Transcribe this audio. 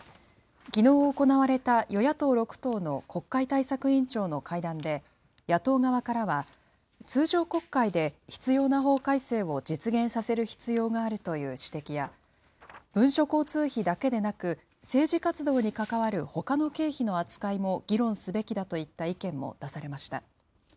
きのう行われた与野党６党の国会対策委員長の会談で、野党側からは、通常国会で必要な法改正を実現させる必要があるという指摘や、文書交通費だけでなく、政治活動に関わるほかの経費の扱いも議論すべきだといった意見も出されました。